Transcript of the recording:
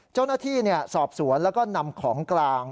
เจ้าหน้าที่สอบสวนแล้วก็นำของกลาง